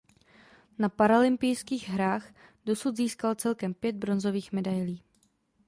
Na paralympijských hrách dosud získal celkem pět bronzových medailí.